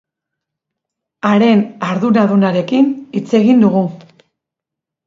Haren arduradunarekin hitz egin dugu.